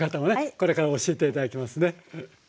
これから教えて頂きますね。